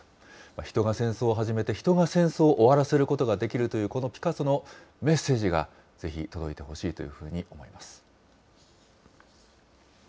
人が戦争を始めて人が戦争を終わらせることができるというこのピカソのメッセージが、ぜひ届いてほしいというふうに思います。